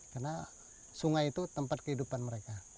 karena sungai itu tempat kehidupan mereka